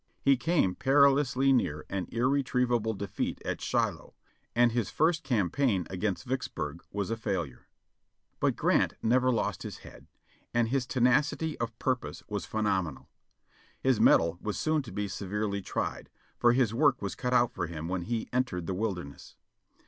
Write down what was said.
He came perilously near an irretrievable defeat at Shiloh, and his first cam paign against Vicksburg was a failure. But Grant never lost his head, and his tenacity of purpose was phenomenal. His metal was soon to be severely tried, for his work was cut out for him when he entered the Wilderness.